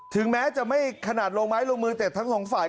ถึงแม้จะไม่ขนาดลงไม้ลงมือแต่ทั้งสองฝ่าย